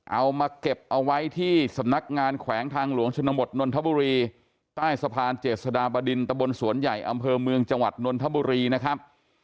เอามาเก็บเอาไว้ที่สำนักงานแขวงทางหลวงชนบทนนทบุรีใต้สะพานเจษฎาบดินตะบนสวนใหญ่อำเภอเมืองจังหวัดนนทบุรีนะครับ